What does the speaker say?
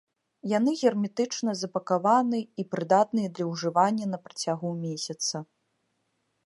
Яны герметычна запакаваныя і прыдатныя для ўжывання на працягу месяца.